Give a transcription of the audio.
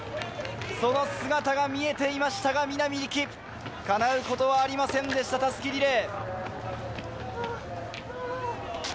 その姿が見えていましたが、南里樹、叶うことはありませんでした、襷リレー。